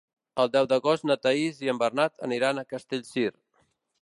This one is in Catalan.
El deu d'agost na Thaís i en Bernat aniran a Castellcir.